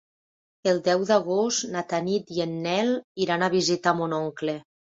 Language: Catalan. El deu d'agost na Tanit i en Nel iran a visitar mon oncle.